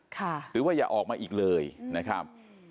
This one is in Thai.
หรือว่าอย่าออกมาอีกเลยนะครับ